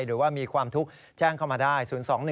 หรือว่ามีความทุกข์แจ้งเข้ามาได้๐๒๑